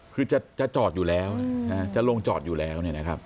คือจะจอดอยู่แล้วจะลงจอดอยู่แล้ว